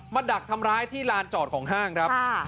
ดักทำร้ายที่ลานจอดของห้างครับ